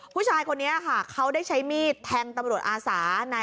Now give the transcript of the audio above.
ผู้ชายคนนี้ค่ะเขาได้ใช้มีดแทงตำรวจอาสา